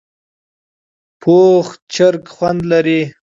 پوخ چرګ خوند لري